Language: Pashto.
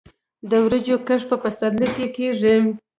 د وریجو کښت په پسرلي کې کیږي.